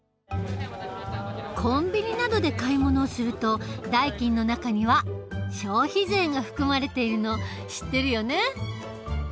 コンビニなどで買い物をすると代金の中には消費税が含まれているの知ってるよね。